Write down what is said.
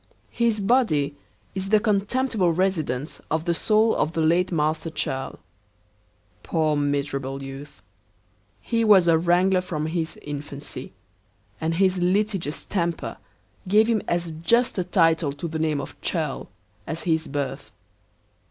His body is the contemptible residence of the soul of the late Master Churl. Poor miserable youth! he was a wrangler from his infancy; and his litigious temper gave him as just a title to the name of Churl as his birth.